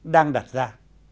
đang đặt ra